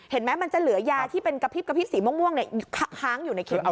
เห็นไหมมันจะเหลือยาที่เป็นกระพริบสีม่วงเนี่ยค้างอยู่ในเข็มเนื้อ